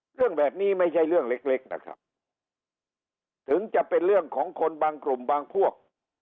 เรื่องแบบนี้ไม่ใช่เรื่องเล็กเล็กนะครับถึงจะเป็นเรื่องของคนบางกลุ่มบางพวก